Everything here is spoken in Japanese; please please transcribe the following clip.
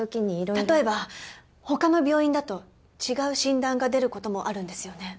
例えば他の病院だと違う診断が出る事もあるんですよね？